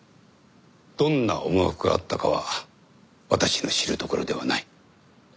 どんな思惑があったかは私の知るところではない。